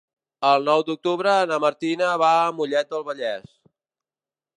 El nou d'octubre na Martina va a Mollet del Vallès.